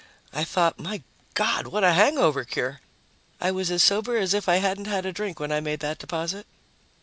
I thought, "My God, what a hangover cure!" I was as sober as if I hadn't had a drink, when I made that deposit.